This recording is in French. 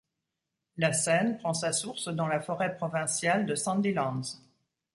La Seine prend sa source dans la forêt provinciale de Sandilands.